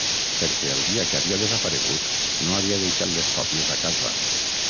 Perquè el dia que havia desaparegut no havia deixat les còpies a casa.